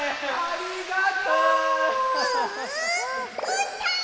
う！うーたん！